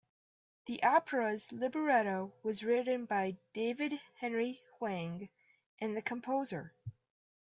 The opera's libretto was written by David Henry Hwang and the composer.